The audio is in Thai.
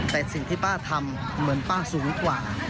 แต่สิ่งที่ป้าทำเหมือนป้าสูงกว่า